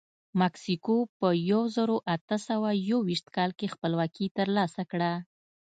مکسیکو په یو زرو اته سوه یوویشت کال کې خپلواکي ترلاسه کړه.